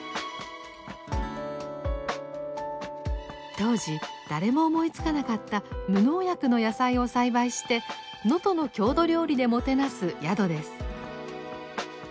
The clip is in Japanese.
当時誰も思いつかなかった無農薬の野菜を栽培して能登の郷土料理でもてなす宿です。